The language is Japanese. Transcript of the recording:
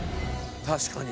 確かに。